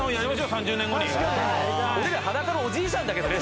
俺ら「裸のおじいさん」だけどね。